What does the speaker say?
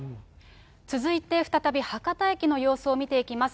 続いて再び博多駅の様子を見ていきます。